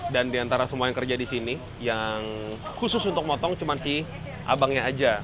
dan di antara semua yang kerja di sini yang khusus untuk motong cuma si abangnya aja